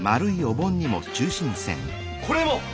これも！